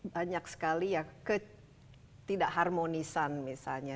banyak sekali ya ketidak harmonisan misalnya